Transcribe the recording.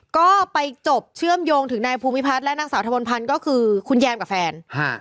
ก็ไปจบเชื่อมโยงถึงนายภูมิพัฒน์และนางสาวทะมนต์พันธ์ก็คือคุณแยมกับแฟนฮะ